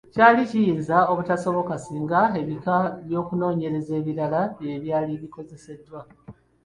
Kyali kiyinza obutasoboka singa ebika by’okunoonyereza ebirala bye byali bikozeseddwa.